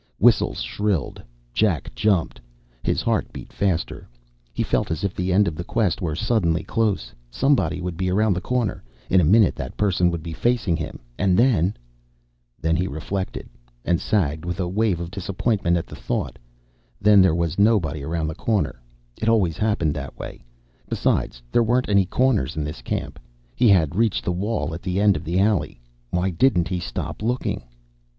Whistles shrilled. Jack jumped. His heart beat faster. He felt as if the end of the quest were suddenly close. Somebody would be around the corner. In a minute that person would be facing him, and then ... Then, he reflected, and sagged with a wave of disappointment at the thought, then there was nobody around the corner. It always happened that way. Besides, there weren't any corners in this camp. He had reached the wall at the end of the alley. Why didn't he stop looking?